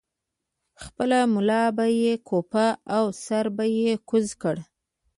خپله ملا به یې کوپه او سر به یې کوز کړ.